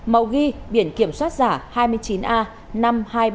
màu ghi biển kiểm soát giả hai mươi chín a